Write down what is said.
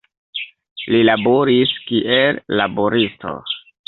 Li laboris kiel laboristo.